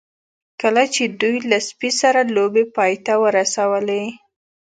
کله چې دوی له سپي سره لوبې پای ته ورسولې